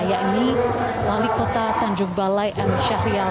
yakni wali kota tanjung balai m syahrial